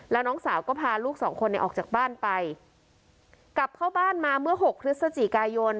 แล้วน้องสาวก็พาลูกสองคนเนี่ยออกจากบ้านไปกลับเข้าบ้านมาเมื่อหกพฤศจิกายน